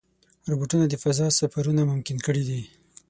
روبوټونه د فضا سفرونه ممکن کړي دي.